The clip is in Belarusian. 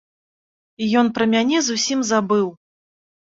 Ён пра мяне зусім забыў.